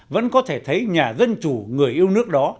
vẫn có thể thấy nhà dân chủ người yêu nước đó